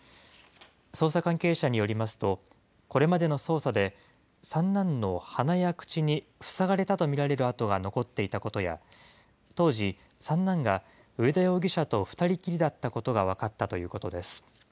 捜査関係者によりますと、これまでの捜査で、三男の鼻や口に、塞がれたと見られる跡が残っていたことや、当時、三男が上田容疑者と２人きりだったことが分かったということです。